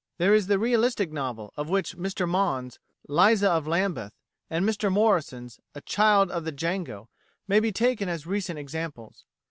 There is the Realistic novel, of which Mr Maugham's "Liza of Lambeth" and Mr Morrison's "A Child of the Jago" may be taken as recent examples.